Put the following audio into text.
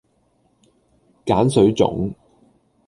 鹼水粽